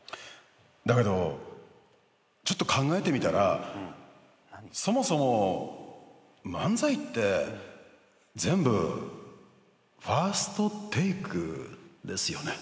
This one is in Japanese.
だけどちょっと考えてみたらそもそも漫才って全部ＦＩＲＳＴＴＡＫＥですよね。